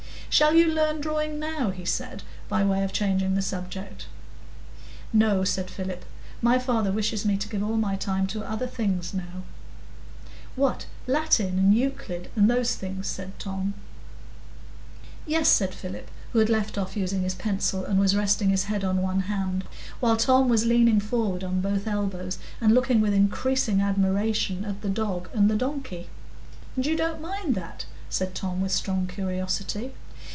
"Shall you learn drawing now?" he said, by way of changing the subject. "No," said Philip. "My father wishes me to give all my time to other things now." "What! Latin and Euclid, and those things?" said Tom. "Yes," said Philip, who had left off using his pencil, and was resting his head on one hand, while Tom was learning forward on both elbows, and looking with increasing admiration at the dog and the donkey. "And you don't mind that?" said Tom, with strong curiosity.